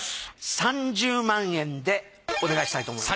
３０万円でお願いしたいと思います。